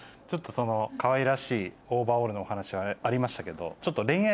かわいらしいオーバーオールのお話ありましたけど。